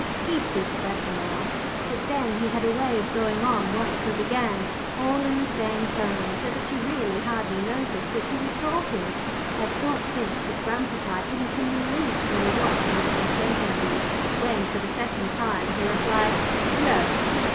He speaks better now, but then he had a way of going on once he began, all in the same tone so that you really hardly noticed that he was talking. I have thought since that grandpapa didn't in the least know what he was consenting to, when for the second time he replied "yes."